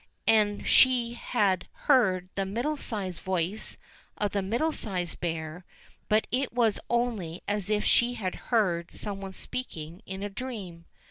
And she had heard the middle sized voice of the Middle sized Bear, but it was only as if she had heard some one speaking in a dream.